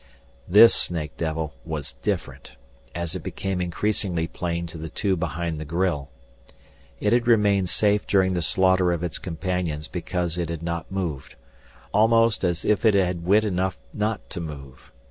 This snake devil was different, as it became increasingly plain to the two behind the grille. It had remained safe during the slaughter of its companions because it had not moved, almost as if it had wit enough not to move.